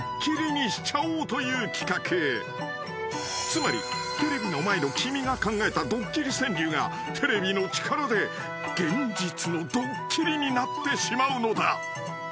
［つまりテレビの前の君が考えたドッキリ川柳がテレビの力で現実のドッキリになってしまうのだ］